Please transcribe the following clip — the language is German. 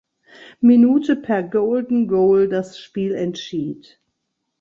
Minute per Golden Goal das Spiel entschied.